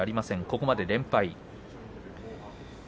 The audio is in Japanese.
ここまで連敗。